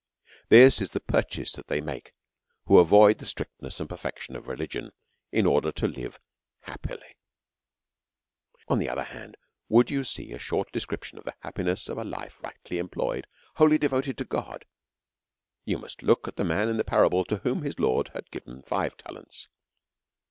This is the purchase that they make, who avoid the strictness and perfection of relig'ion_, in order to live happily. On the other hand, would you see a short descrip tion of the happiness of a life rightly employed, whol ly devoted to God, you must look at tlie man in the parable, to whom his Lord had given five talents.